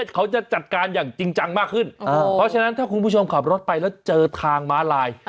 เขาจะจัดการอย่างจริงจังมากขึ้นเพราะฉะนั้นถ้าคุณผู้ชมขับรถไปแล้วเจอทางม้าลาย